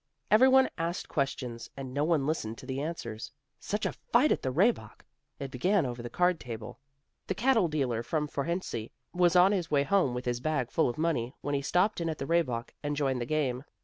Everyone asked questions, and no one listened to the answers. Such a fight at the Rehbock! It began over the card table. The cattle dealer from Fohrensee was on his way home with his bag full of money, when he stopped in at the Rehbock, and joined the game.